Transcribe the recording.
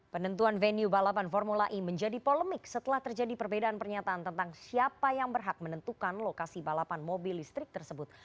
penentuan venue balapan formula e menjadi polemik setelah terjadi perbedaan pernyataan tentang siapa yang berhak menentukan lokasi balapan mobil listrik tersebut